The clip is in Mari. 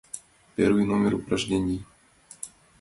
Первый номер упражнений!